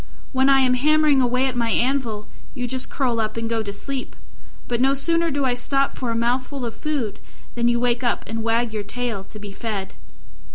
When I am hammering away at my anvil, you just curl up and go to sleep: but no sooner do I stop for a mouthful of food than you wake up and wag your tail to be fed."